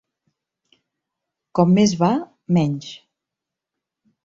Com més va, menys.